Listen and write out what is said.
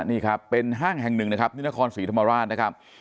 นี่ครับเป็นห้างแห่งหนึ่งนะครับที่นครศรีธรรมราชนะครับ